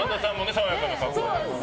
爽やかな格好で。